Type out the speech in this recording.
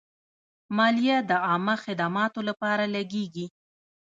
مالیه د عامه خدماتو لپاره لګیږي.